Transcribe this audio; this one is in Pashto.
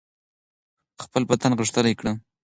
خپل بدن غښتلی کړئ.